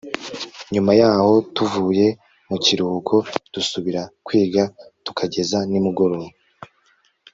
nyuma y'aho tuvuye mu kiruhuko dusubira kwiga tukageza nimugoroba